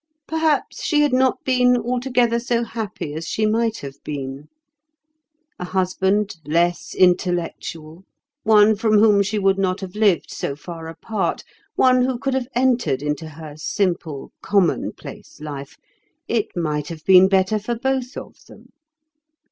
Perhaps she had not been altogether so happy as she might have been. A husband less intellectual—one from whom she would not have lived so far apart—one who could have entered into her simple, commonplace life! it might have been better for both of them.